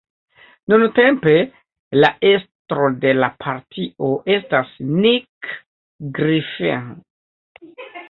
Nuntempe la estro de la partio estas Nick Griffin.